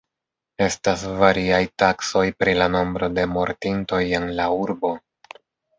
Estas variaj taksoj pri la nombro de mortintoj en la urbo.